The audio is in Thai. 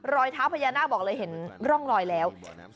รอยเท้าพญานาคบอกเลยเห็นร่องรอยแล้ว